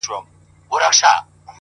تنکی رويباره له وړې ژبي دي ځارسم که نه”